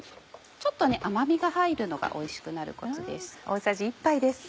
ちょっと甘みが入るのがおいしくなるコツです。